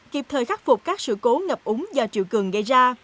kịp thời khắc phục các sự cố ngập úng do triều cường gây ra